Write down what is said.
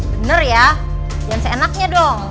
bener ya jangan seenaknya dong